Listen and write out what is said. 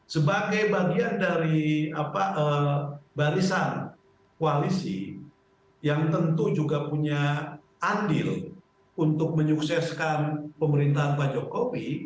sebagai bagian dari barisan koalisi yang tentu juga punya andil untuk menyukseskan pemerintahan pak jokowi